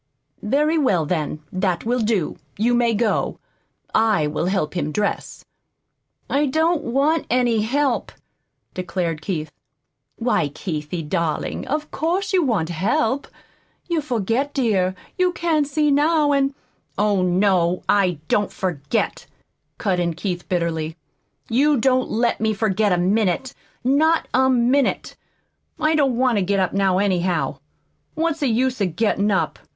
"Very well, then, that will do. You may go. I will help him dress." "I don't want any help," declared Keith. "Why, Keithie, darling, of course you want help! You forget, dear, you can't see now, and " "Oh, no, I don't forget," cut in Keith bitterly. "You don't let me forget a minute not a minute. I don't want to get up now, anyhow. What's the use of gettin' up?